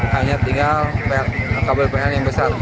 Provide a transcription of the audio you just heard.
hanya tinggal kabel pl yang besar